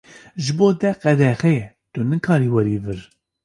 Ji bo te qedexe ye, tu nikarî werî vir.